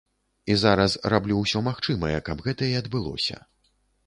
І зараз раблю ўсё магчымае, каб гэта і адбылося.